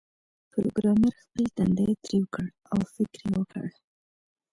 پروګرامر خپل تندی ترېو کړ او فکر یې وکړ